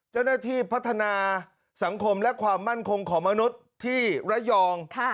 เจ้าหน้าที่พัฒนาสังคมและความมั่นคงของมนุษย์ที่ระยอง